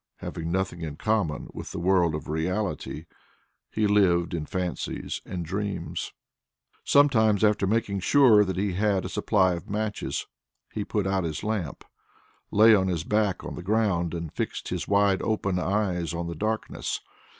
Having nothing in common with the world of reality, he lived in fancies and dreams. Sometimes, after making sure that he had a supply of matches, he put out his lamp, lay on his back on the ground and fixed his wide open eyes on the darkness.